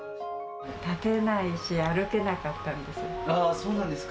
立てないし、歩けなかったんそうなんですか。